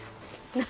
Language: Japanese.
何？